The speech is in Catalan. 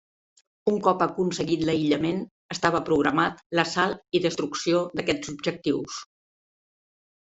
Un cop aconseguit l'aïllament, estava programat l'assalt i destrucció d'aquests objectius.